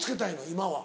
今は。